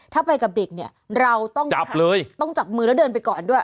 ถ้าไปกับเด็กเนี่ยเราต้องจับมือแล้วเดินไปก่อนด้วย